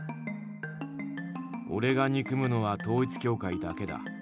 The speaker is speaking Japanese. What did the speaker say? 俺が憎むのは統一教会だけだ。